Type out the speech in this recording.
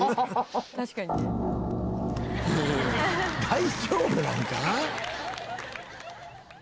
「大丈夫なんか？」